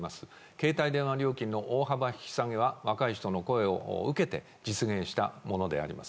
携帯電話料金の大幅引き下げは、若い人の声を受けて、実現したものであります。